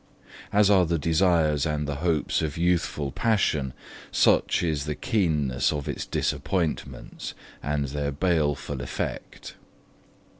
As are the desires and the hopes of youthful passion, such is the keenness of its disappointments, and their baleful effect.